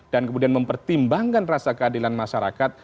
dan kemudian mempertimbangkan rasa keadilan masyarakat